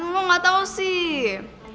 lo gak tahu sih